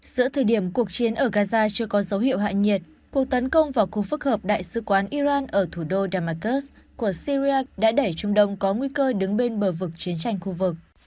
giữa thời điểm cuộc chiến ở gaza chưa có dấu hiệu hạ nhiệt cuộc tấn công vào khu phức hợp đại sứ quán iran ở thủ đô demacus của syria đã đẩy trung đông có nguy cơ đứng bên bờ vực chiến tranh khu vực